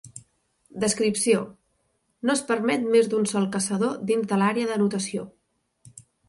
Descripció: no es permet més d'un sol Caçador dins de l'àrea d'anotació.